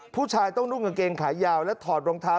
ผู้ชายต้องนุ่งกางเกงขายาวและถอดรองเท้า